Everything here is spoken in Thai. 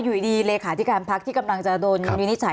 อยู่ดีเลขาธิการพักที่กำลังจะโดนวินิจฉัย